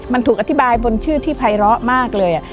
มันถูกอธิบายบนชื่อที่ภัยร้อมากเลย